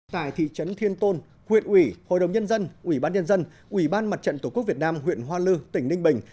tại thị trấn thiên tôn huyện ủy hội đồng nhân dân ủy ban nhân dân ủy ban mặt trận tổ quốc việt nam huyện hoa lư tỉnh ninh bình